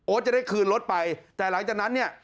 จะได้คืนรถไปแต่หลังจากนั้นเนี่ย